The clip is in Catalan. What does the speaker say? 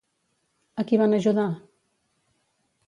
A qui van ajudar?